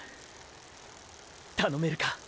頼めるか！！